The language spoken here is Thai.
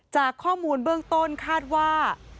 จากข้อมูลเบื้องต้นคาดว่า